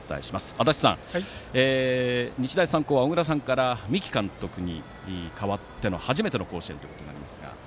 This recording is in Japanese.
足達さん、日大三高は小倉さんから三木監督に代わっての初めての甲子園となりますが。